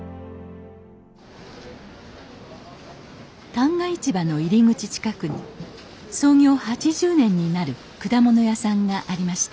旦過市場の入り口近くに創業８０年になる果物屋さんがありました